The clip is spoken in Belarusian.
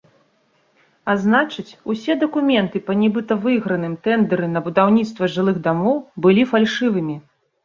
А значыць, усе дакументы па нібыта выйграным тэндэры на будаўніцтва жылых дамоў былі фальшывымі.